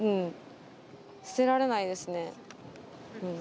捨てられないですね。